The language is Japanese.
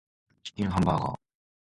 チキンハンバーガー